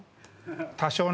多少ね。